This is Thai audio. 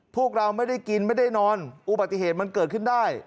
พวกเราไม่ได้กินไม่ได้นอนอุบัติเหตุมันเกิดขึ้นได้